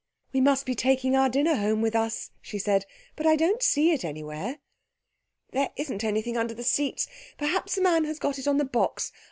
"We must be taking our dinner home with us," she said, "but I don't see it anywhere." "There isn't anything under the seats. Perhaps the man has got it on the box.